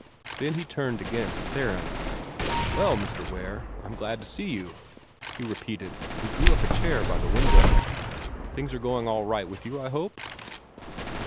Then he turned again to Theron. "Well, Mr. Ware, I'm glad to see you," he repeated, and drew up a chair by the window. "Things are going all right with you, I hope."